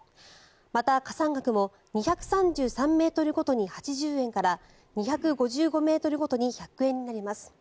また、加算額も２３３ｍごとに８０円から２５５ｍごとに１００円になります。